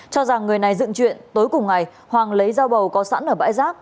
cho rằng người này dựng chuyện tối cùng ngày hoàng lấy dao bầu có sẵn ở bãi rác